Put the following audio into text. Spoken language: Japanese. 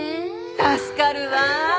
助かるわ。